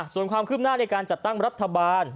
ส่วนความคืบหน้าในการจัดตั้งรัฐบาล